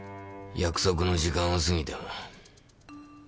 約束の時間を過ぎても。